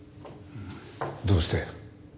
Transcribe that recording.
どうして？